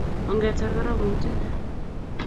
ongetar koromutik